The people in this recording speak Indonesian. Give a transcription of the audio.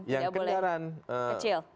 jangan boleh kecil